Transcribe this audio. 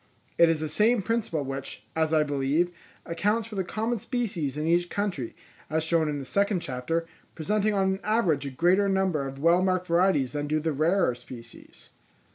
It is the same principle which, as I believe, accounts for the common species in each country, as shown in the second chapter, presenting on an average a greater number of well marked varieties than do the rarer species.